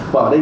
và ở đây